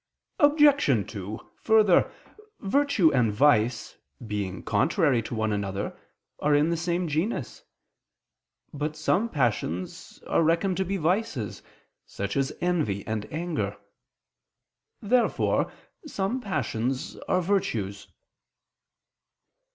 Obj. 2: Further, virtue and vice, being contrary to one another, are in the same genus. But some passions are reckoned to be vices, such as envy and anger. Therefore some passions are virtues.